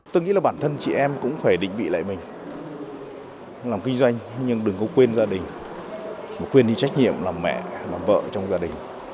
tôi nghĩ là bản thân chị em cũng phải định vị lại mình làm kinh doanh nhưng đừng có quên gia đình mà quên đi trách nhiệm làm mẹ làm vợ trong gia đình